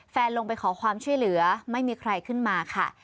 ลงไปขอความช่วยเหลือไม่มีใครขึ้นมาค่ะ